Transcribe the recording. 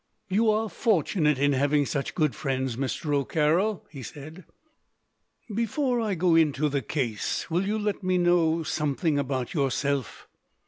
"You are fortunate in having such good friends, Mr. O'Carroll," he said. "Before I go into the case, will you let me know something about yourself?